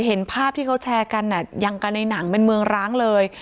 เห็นภาพที่เขาแชร์กันอย่างกันในหนังเป็นเมืองร้างเลย